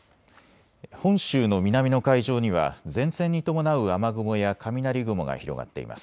本州の南の海上には前線に伴う雨雲や雷雲が広がっています。